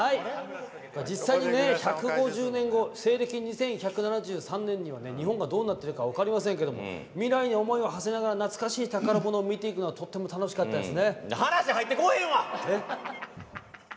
実際に１５０年後西暦２１７３年には日本がどうなってるか分かりませんけれども未来に思いをはせながら懐かしい宝物を見るのは話、入ってこうへんわ！